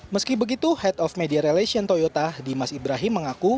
meski begitu head of media relation toyota dimas ibrahim mengaku